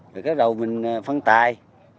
rồi cái đầu mình phân tài